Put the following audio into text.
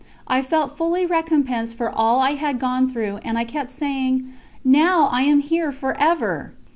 I felt fully recompensed for all I had gone through, and I kept saying: "Now I am here for ever."